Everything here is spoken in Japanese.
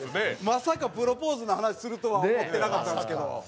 まさかプロポーズの話するとは思ってなかったですけど。